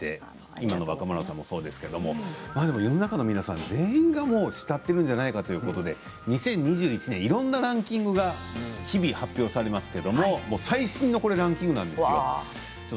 今の若村さんもそうですけれども世の中の皆さん全員が慕っているのではないかっていうことで２０２１年いろいろなランキングが日々発表されますけれどもこれが最新のランキングなんですよ。